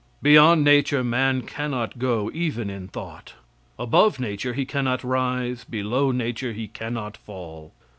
Beyond nature man cannot go even in thought above nature he cannot rise below nature he cannot fall.